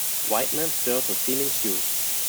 Whiteman stirs the steaming stew.